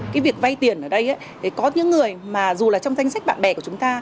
cái việc vay tiền ở đây có những người mà dù là trong danh sách bạn bè của chúng ta